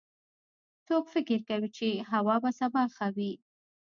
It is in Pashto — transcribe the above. څوک فکر کوي چې هوا به سبا ښه وي